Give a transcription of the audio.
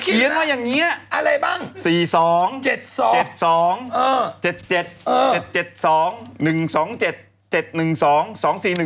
เขียนว่าอย่างนี้